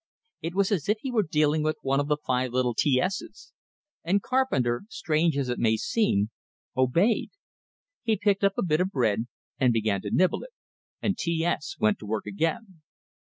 It was as if he were dealing with one of the five little T S's. And Carpenter, strange as it may seem, obeyed. He picked up a bit of bread, and began to nibble it, and T S went to work again.